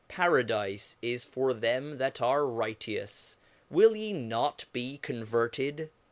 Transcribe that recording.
Paradife is for them that are righteous ; will ye not be converted